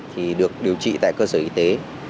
thì được điều trị tại cơ sở y tế